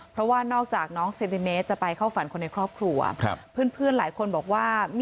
เพราะว่านอกจากน้องเซนติเมตรจะไปเข้าฝันคนในครอบครัว